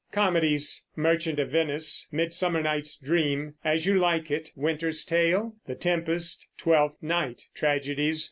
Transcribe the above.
Comedies. Merchant of Venice, Midsummer Night's Dream, As You Like It, Winter's Tale, The Tempest, Twelfth Night. Tragedies.